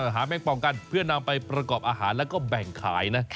หาแมงปองกันเพื่อนำไปประกอบอาหารแล้วก็แบ่งขายนะ